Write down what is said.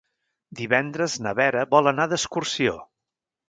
Divendres na Vera vol anar d'excursió.